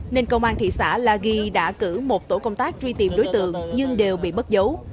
nên công an thị xã la ghi đã cử một tổ công tác truy tìm đối tượng nhưng đều bị mất dấu